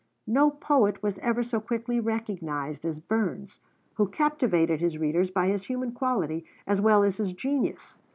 No poet was ever so quickly recognized as Burns, who captivated his readers by his human quality as well as his genius.